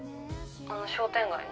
あの商店街の？